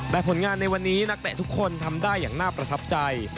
แต่ผลงานในวันนี้นักเตะทุกคนทำได้อย่างน่าประทับใจ